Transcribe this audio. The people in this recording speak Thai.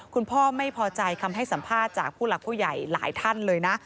คุณพ่อไม่พอใจคำให้สัมภาษณ์จากผู้หลักผู้ใหญ่หลายท่านเลยนะ